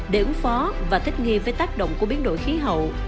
để ứng phó và thích nghi với tác động của biến đổi khí hậu